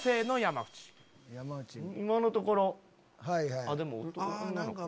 今のところ。